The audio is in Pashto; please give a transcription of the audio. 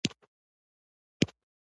ما د متعلمۍ په وخت کې یو کتاب لوستی و.